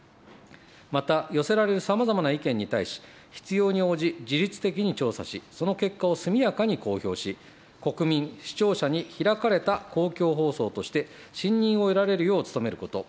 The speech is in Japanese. また、寄せられるさまざまな意見に対し、必要に応じ、自律的に調査し、その結果を速やかに公表し、国民、視聴者に開かれた公共放送として、信任を得られるよう努めること。